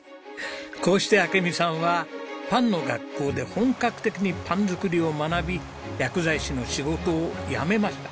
こうして明美さんはパンの学校で本格的にパン作りを学び薬剤師の仕事を辞めました。